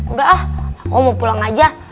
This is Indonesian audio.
udah ah kamu mau pulang aja